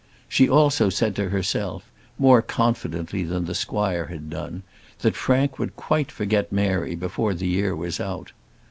She also said to herself, more confidently than the squire had done, that Frank would quite forget Mary before the year was out.